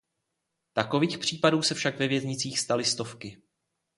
Takových případů se však ve věznicích staly stovky.